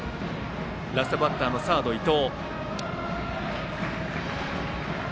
ラストバッターのサード、伊藤。